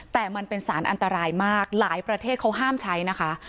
แต่มันเป็นสารอันตรายมากหลายประเทศเขาห้ามใช้นะคะ